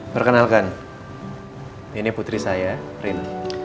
perkenalkan ini putri saya prin